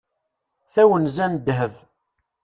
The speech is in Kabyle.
Tawenza n ddheb.